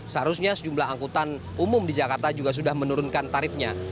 seharusnya sejumlah angkutan umum di jakarta juga sudah menurunkan tarifnya